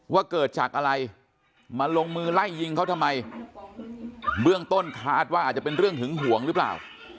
ว่าเกิดจากอะไรมาลงมือไล่ยิงเขาทำไมเบื้องต้นคาดว่าอาจจะเป็นเรื่องหึงห่วงหรือเปล่า